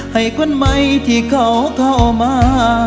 ให้คนใหม่ที่เขาเข้ามา